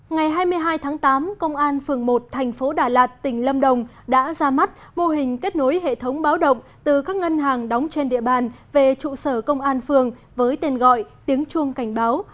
ngày hai mươi hai tháng tám công an phường một thành phố đà lạt tỉnh lâm đồng đã ra mắt mô hình kết nối hệ thống báo động từ các ngân hàng đóng trên địa bàn về trụ sở công an phường với tên gọi tiếng chuông cảnh báo